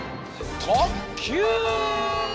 とっきゅう！